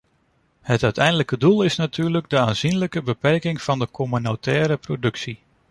Het uiteindelijke doel is natuurlijk de aanzienlijke beperking van de communautaire productie.